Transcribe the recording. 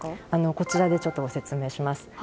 こちらでご説明します。